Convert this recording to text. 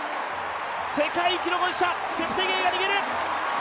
世界記録保持者、チェプテゲイが逃げる！